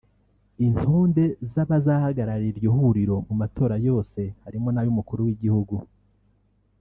Intonde z’abazahagararira iryo huriro mu matora yose harimo n’ay’umukuru w’igihugu